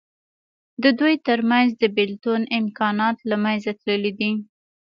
د دوی تر منځ د بېلتون امکانات له منځه تللي دي.